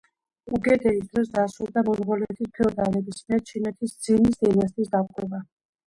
უგედეის დროს დასრულდა მონღოლეთის ფეოდალების მიერ ჩინეთის ძინის დინასტიის დაპყრობა.